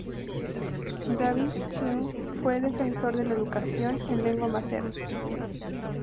David Cheung fue el defensor de la educación en lengua materna.